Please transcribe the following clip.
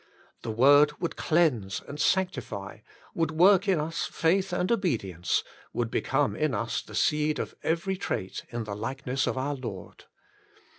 The word would cleanse, and sanctify, would work in us faith and obedience, would become in us the seed of every trait in the likeness of our Lord.